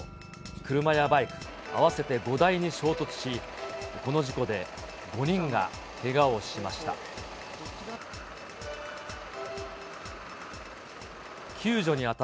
車やバイク、合わせて５台に衝突し、この事故で５人がけがをしました。